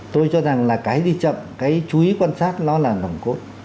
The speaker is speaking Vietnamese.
tôi cho rằng là cái đi chậm cái chú ý quan sát nó là nòng cốt